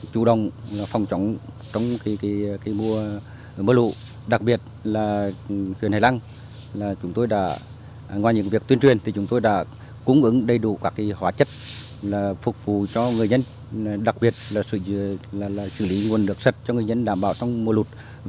chủ động phòng chống dịch bệnh sau mưa lũ